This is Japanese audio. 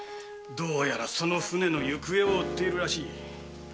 どうやらその船の行方を追っているらしい。